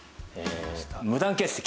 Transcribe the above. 無断欠席。